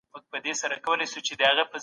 آيا په سوداګرۍ کي ماته د خيار حق راکوې؟